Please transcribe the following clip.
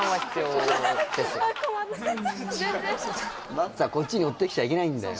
ばっさーこっちに寄ってきちゃいけないんだよ